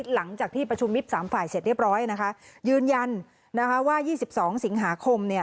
หลังจากที่ประชุมวิบ๓ฝ่ายเสร็จเรียบร้อยนะคะยืนยันว่า๒๒สิงหาคม